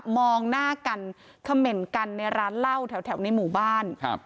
มองหน้ากันเขม่นกันในร้านเหล้าแถวในหมู่บ้านครับ